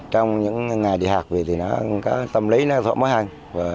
trong những ngày đi học thì nó có tâm lý nó thỏa mới hơn